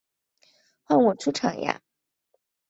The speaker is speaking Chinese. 换我出场呀！